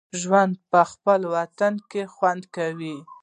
ژوند په خپل وطن کې خوند کوي